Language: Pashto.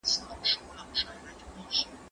زه اجازه لرم چي پوښتنه وکړم!؟